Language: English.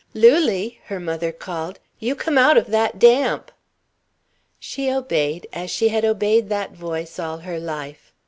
"Lulie!" her mother called. "You come out of that damp." She obeyed, as she had obeyed that voice all her life.